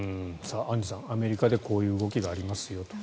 アンジュさん、アメリカでこういう動きがありますよと。